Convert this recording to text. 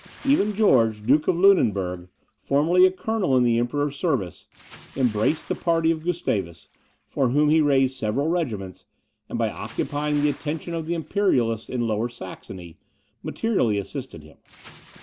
Even George, Duke of Lunenburg, formerly a colonel in the Emperor's service, embraced the party of Gustavus, for whom he raised several regiments, and by occupying the attention of the Imperialists in Lower Saxony, materially assisted him.